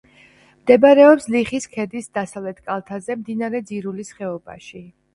მდებარეობს ლიხის ქედის დასავლეთ კალთაზე, მდინარე ძირულის ხეობაში.